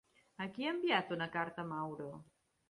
A qui ha enviat una carta Muro?